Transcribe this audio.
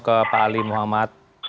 ke pak ali muhammad